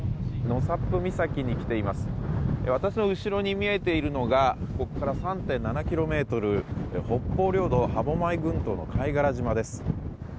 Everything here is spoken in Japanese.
私の後ろに見えているのがここから３．７ｋｍ北方領土、歯舞群島の貝殻島です。